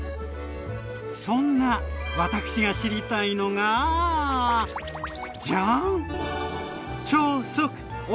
そんな私が知りたいのがジャーン！